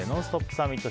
サミット。